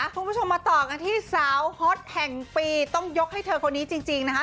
คุณผู้ชมมาต่อกันที่สาวฮอตแห่งปีต้องยกให้เธอคนนี้จริงนะคะ